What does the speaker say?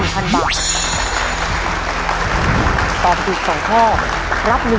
สวัสดีครับ